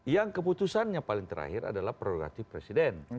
yang keputusannya paling terakhir adalah prerogatif presiden